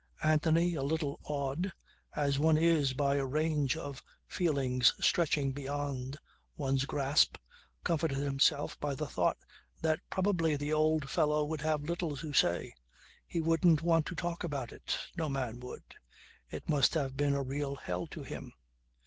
Anthony, a little awed, as one is by a range of feelings stretching beyond one's grasp, comforted himself by the thought that probably the old fellow would have little to say. He wouldn't want to talk about it. No man would. It must have been a real hell to him.